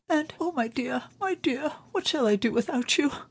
And oh, my dear, my dear, what shall I do without you?"